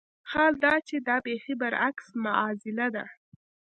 حال دا چې دا بېخي برعکس معاضله ده.